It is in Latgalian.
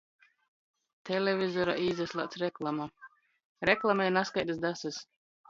Televizorā īsaslādz reklama. Reklamej nazkaidys dasys.